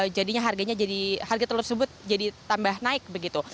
jadinya harga telur tersebut jadi tambah naik begitu